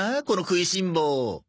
この食いしん坊。